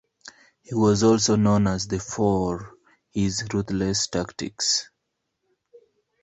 He was also known as the for his ruthless tactics.